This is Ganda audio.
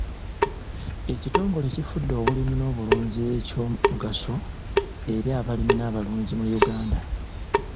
Ekitongole kifudde obulimi n'obulunzi eky'omugaso eri abalimi n'abalunzi mu Uganda.